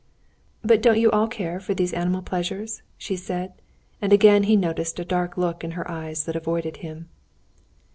"But don't you all care for these animal pleasures?" she said, and again he noticed a dark look in her eyes that avoided him.